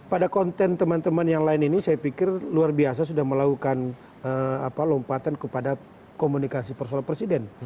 pada konten teman teman yang lain ini saya pikir luar biasa sudah melakukan lompatan kepada komunikasi persoalan presiden